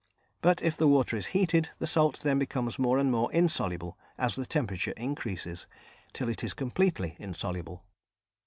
But if the water is heated the salt then becomes more and more insoluble as the temperature increases, till it is completely insoluble.